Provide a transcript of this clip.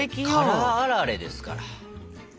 辛あられですから。